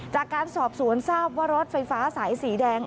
จากการสอบสวนทราบว่ารถไฟฟ้าสายสีแดง